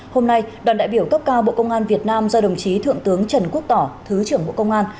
hôm nay đoàn đại biểu cấp cao bộ công an việt nam do đồng chí thượng tướng trần quốc tỏ thứ trưởng bộ công an